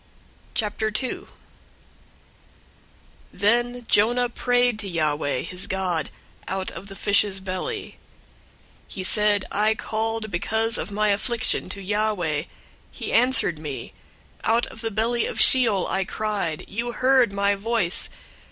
002:001 Then Jonah prayed to Yahweh, his God, out of the fish's belly. 002:002 He said, "I called because of my affliction to Yahweh. He answered me. Out of the belly of Sheol I cried. You heard my voice.